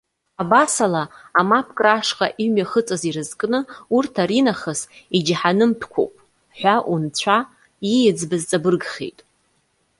Абас ала, амапкра ашҟа имҩахыҵыз ирызкны, урҭ аринахыс иџьаҳанымтәқәоуп! ҳәа унцәа ииӡбаз ҵабыргхеит.